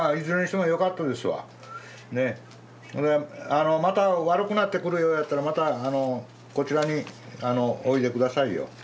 あのまた悪くなってくるようやったらまたこちらにおいで下さいよ。